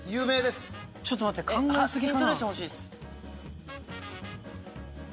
ちょっと待って考え過ぎかな。